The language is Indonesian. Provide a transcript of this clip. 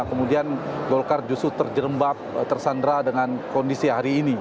kemudian golkar justru terjerembab tersandra dengan kondisi hari ini